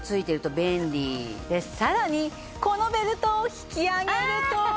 さらにこのベルトを引き上げると。